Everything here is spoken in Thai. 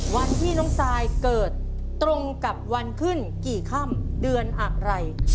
วันที่น้องซายเกิดตรงกับวันขึ้นกี่ค่ำเดือนอะไร